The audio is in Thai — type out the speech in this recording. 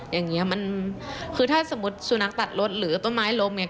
อย่างนี้มันคือถ้าสมมุติสุนัขตัดรถหรือต้นไม้ล้มเนี่ย